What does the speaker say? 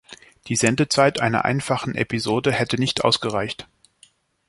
Die Sendezeit einer einfachen Episode hätte nicht ausgereicht.